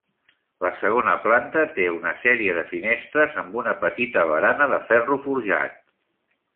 La segona planta té una sèrie de finestres amb una petita barana de ferro forjat.